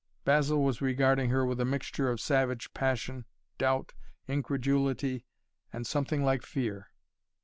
Basil was regarding her with a mixture of savage passion, doubt, incredulity and something like fear.